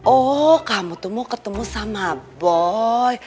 oh kamu tuh mau ketemu sama boy